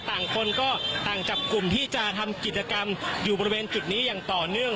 ต่างคนก็ต่างจับกลุ่มที่จะทำกิจกรรมอยู่บริเวณจุดนี้อย่างต่อเนื่อง